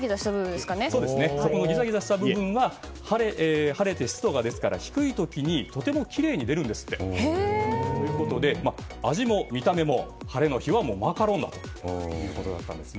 ギザギザした部分は晴れて湿度が低い時にとてもきれいに出るんですって。ということで、味も見た目も晴れの日はマカロンだということだったんです。